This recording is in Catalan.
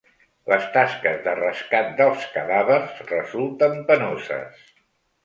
Les tasques de rescat dels cadàvers resulten penoses.